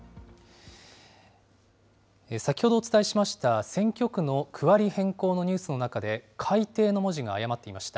先ほどお伝えしました選挙区の区割り変更のニュースの中で、かいていの文字が誤っていました。